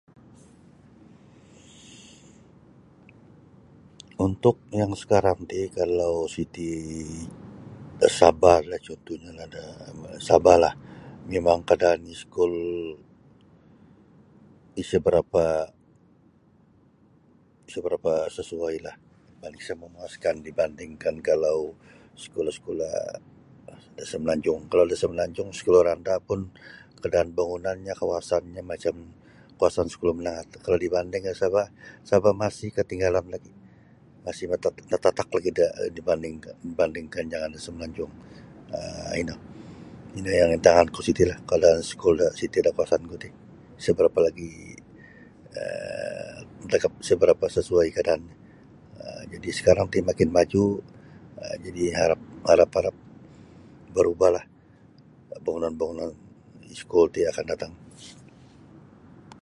Untuk yang sakarang ti kalau siti da Sabahlah cuntuhnyo da Sabahlah mimang kaadaan iskul isa' barapa' isa' barapa' sasuailah isa' mamuaskan dibandingkan kalau sekolah-sekolah da Semenanjung kalau da Semenanjung sekolah rendah pun kaadaan bangunannyo kawasannyo macam kawasan sekolah menengah kalau dibanding da Sabah Sabah masih ketinggalan lagi' masih natatak lagi da dibandingkan dibandingkan dengan da Semenanjung um ino ino yang antanganku kalau sekolah da kawasanku ti isa barapa' lagi' um tagap isa barapa' sasuai kaadaannyo jadi' sakarang ti makin maju' jadi harap harap-haraplah barubahlah bangunan-bangunan iskul ti akan datang.